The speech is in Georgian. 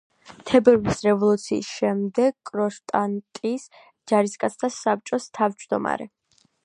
თებერვლის რევოლუციის შემდეგ კრონშტადტის ჯარისკაცთა საბჭოს თავმჯდომარე.